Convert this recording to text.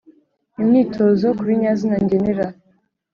imyitozo ku binyazina ngenera